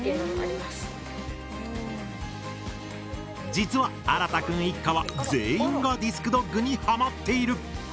実は新くん一家は全員がディスクドッグにハマっている。